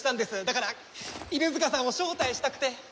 だから犬塚さんを招待したくて。